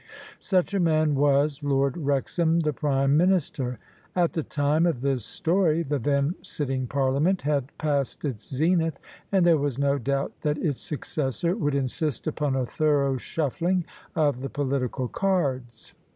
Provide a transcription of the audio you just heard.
Such a man was Lord Wrexham, the Prime Minister. At the time of this story the then sitting Parliament had passed its zenith, and there was no doubt that its successor would insist upon a thorough shufiling of the political cards.